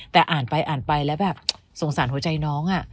แต่อ่านไปอ่านไปแล้วแบบสงสารหัวใจน้อง